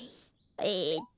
えっと